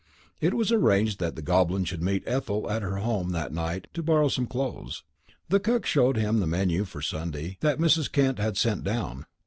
It was arranged that the Goblin should meet Ethel at her home that night to borrow some clothes. The cook showed him the menu for Sunday that Mrs. Kent had sent down.